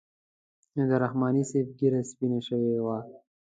د رحماني صاحب ږیره سپینه شوې وه.